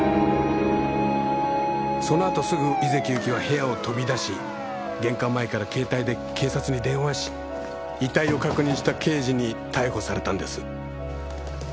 そのあとすぐ井関ゆきは部屋を飛び出し玄関前から携帯で警察に電話し遺体を確認した刑事に逮捕されたんです。